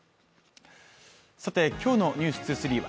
さて今日の「ｎｅｗｓ２３」は